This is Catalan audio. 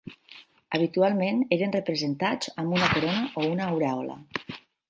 Habitualment eren representats amb una corona o una aurèola.